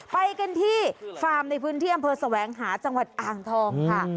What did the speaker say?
ไปกันที่ฟาร์มในพื้นที่อำเภอแสวงหาจังหวัดอ่างทองค่ะ